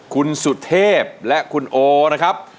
คุณสุเทพและคุณโอนะครับ